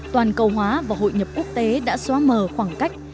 toàn cầu hóa và hội nhập quốc tế đã xóa mờ khoảng cách